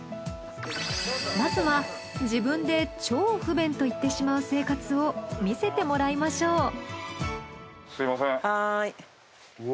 まずは自分で超不便と言ってしまう生活を見せてもらいましょう。